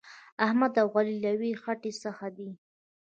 احمد او علي له یوې خټې څخه دي.